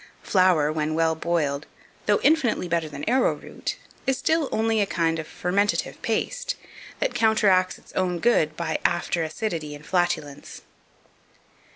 Flour, when well boiled, though infinitely better than arrowroot, is still only a kind of fermentative paste, that counteracts its own good by after acidity and flatulence.